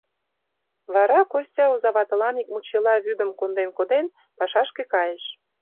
Вара Костя, оза ватылан ик мучела вӱдым конден коден, пашашке кайыш.